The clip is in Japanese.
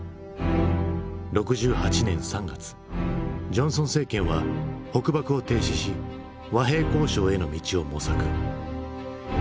６８年３月ジョンソン政権は北爆を停止し和平交渉への道を模索。